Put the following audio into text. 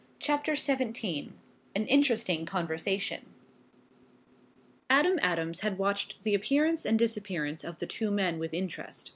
CHAPTER XVII AN INTERESTING CONVERSATION Adam Adams had watched the appearance and disappearance of the two men with interest.